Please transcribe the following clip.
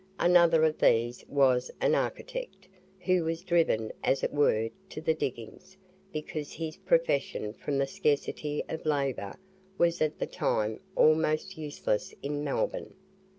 Another of these was an architect, who was driven, as it were, to the diggings, because his profession, from the scarcity of labour, was at the time almost useless in Melbourne.